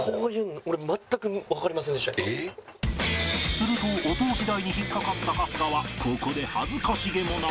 するとお通し代に引っかかった春日はここで恥ずかしげもなく。